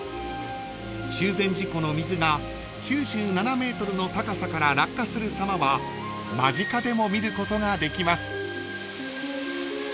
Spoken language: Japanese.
［中禅寺湖の水が９７ｍの高さから落下するさまは間近でも見ることができます］